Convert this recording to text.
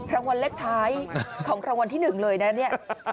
รางวัลเลขท้ายของรางวัลที่๑เลยนะเนี่ย